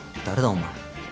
誰だお前。